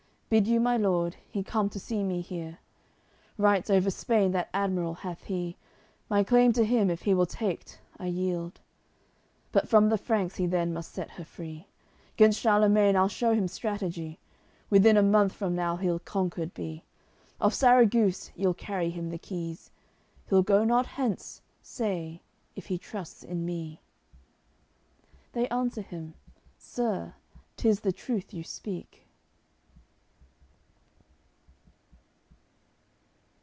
Bid you my lord, he come to see me here. Rights over Spain that admiral hath he, My claim to him, if he will take't, I yield; But from the Franks he then must set her free. Gainst Charlemagne I'll shew him strategy. Within a month from now he'll conquered be. Of Sarraguce ye'll carry him the keys, He'll go not hence, say, if he trusts in me." They answer him: "Sir, 'tis the truth you speak."